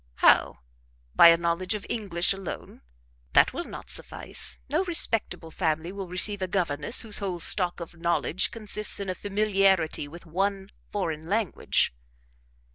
"How? By a knowledge of English alone? That will not suffice; no respectable family will receive a governess whose whole stock of knowledge consists in a familiarity with one foreign language."